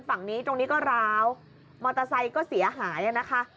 ฝั่งนี้ตรงนี้ก็ร้าวมอเตอร์ไซค์ก็เสียหายนะคะ